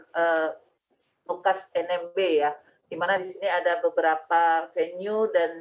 stadion bukas nmb ya di mana di sini ada beberapa venue dan